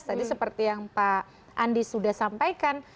tadi seperti yang pak andi sudah sampaikan